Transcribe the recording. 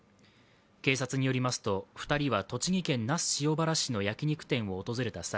警察によりますと２人は栃木県那須塩原市の焼き肉店を訪れた際